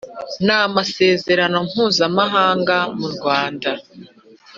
n amasezerano mpuzamahanga u Rwanda